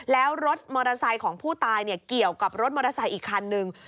แล้วรถมอเตอร์ไซค์ของผู้ตายเกี่ยวกับรถมอเตอร์ไซค์อีกคันนึง